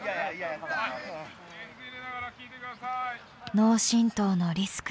脳震とうのリスク。